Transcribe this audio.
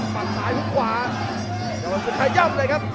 ปัดซ้ายพรุ่งขวาโดนสุดขยับเลยครับ